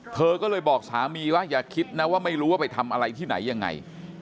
เธอก็เลยบอกสามีว่าอย่าคิดนะว่าไม่รู้ว่าไปทำอะไรที่ไหนยังไง